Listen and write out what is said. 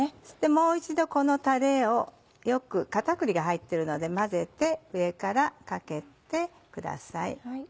もう一度このタレをよく片栗が入ってるので混ぜて上からかけてください。